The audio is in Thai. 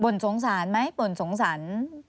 สงสารไหมบ่นสงสาร